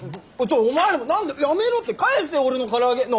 ちょっお前らも何でやめろって返せ俺のから揚げ！